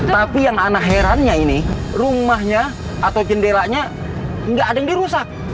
tapi yang anak herannya ini rumahnya atau jendelanya nggak ada yang dirusak